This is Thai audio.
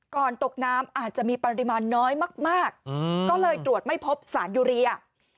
ตกน้ำอาจจะมีปริมาณน้อยมากก็เลยตรวจไม่พบสารยูเรีย